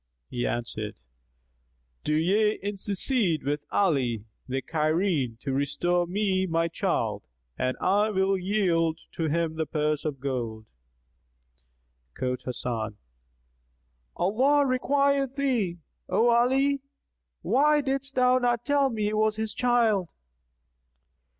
He answered, "Do ye intercede with Ali the Cairene to restore me my child and I will yield to him the purse of gold." Quoth Hasan, "Allah requite thee, O Ali! Why didst thou not tell me it was his child?"